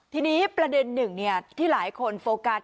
ทีนี้ประเด็นหนึ่งที่หลายคนโฟกัส